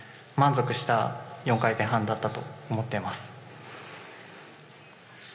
満足した４回転半だったと思っています。